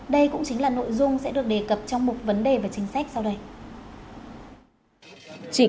đây cũng chính là nội dung sẽ được đề cập trong mục vấn đề và chính sách sau đây